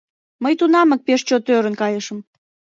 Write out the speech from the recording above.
Мый тунамак пеш чот ӧрын кайышым;